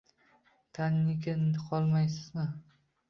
Taninikida qolmaysizmi